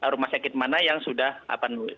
rumah sakit mana yang sudah penuh